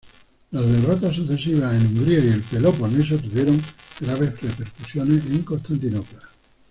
Las derrotas sucesivas en Hungría y el Peloponeso tuvieron graves repercusiones en Constantinopla.